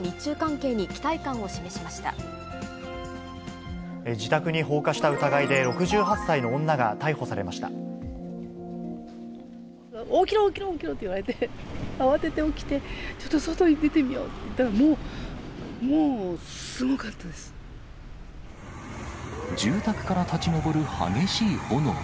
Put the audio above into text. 起きろ、起きろ、起きろって言われて、慌てて起きて、ちょっと外に出てみようって言われて出たらもう、もうすごかった住宅から立ち上る激しい炎。